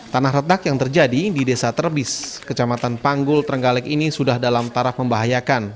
tanah redak yang terjadi di desa terbis kecamatan panggul trenggalek ini sudah dalam taraf membahayakan